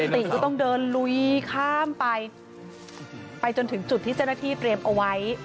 ติก็ต้องเดินลุยข้ามไปไปจนถึงจุดที่เจ้าหน้าที่เตรียมเอาไว้